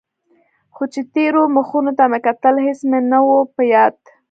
خو چې تېرو مخونو ته مې کتل هېڅ مې نه و په ياد.